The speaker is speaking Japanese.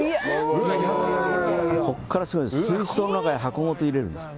ここからすごいんです。